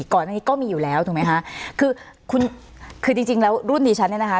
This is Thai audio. ก่อนอันนี้ก็มีอยู่แล้วถูกไหมคะคือคุณคือจริงจริงแล้วรุ่นนี้ฉันเนี่ยนะคะ